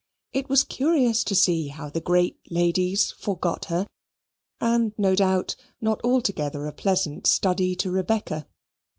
It was curious to see how the great ladies forgot her, and no doubt not altogether a pleasant study to Rebecca.